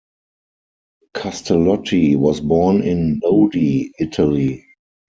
Castellotti was born in Lodi, Italy.